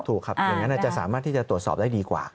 ถูกครับอย่างนั้นจะสามารถที่จะตรวจสอบได้ดีกว่า